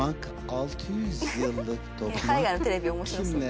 海外のテレビ面白そう。